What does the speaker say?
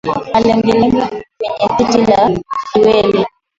Malengelenge kwenye titi za kiwele